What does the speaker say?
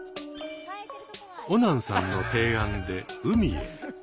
オナンさんの提案で海へ。